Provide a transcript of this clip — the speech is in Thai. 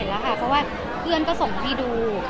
เห็นแล้วค่ะเพราะว่าเพื่อนก็ส่งพี่ดู